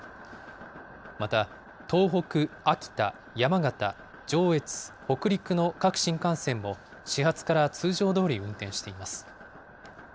また、東北、秋田、山形、上越、北陸の各新幹線も、始発から通常どおり運転しています。